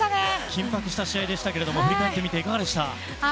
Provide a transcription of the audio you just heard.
緊迫した試合でしたが振り返っていかがでしたか。